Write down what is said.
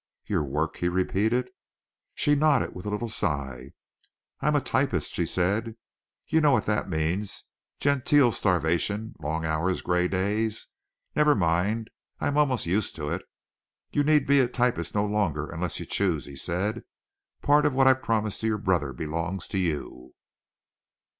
"Your work?" he repeated. She nodded, with a little sigh. "I am a typist," she said. "You know what that means, genteel starvation, long hours, gray days. Never mind, I am almost used to it." "You need be a typist no longer unless you choose," he said. "Part of what I promised to your brother belongs to you."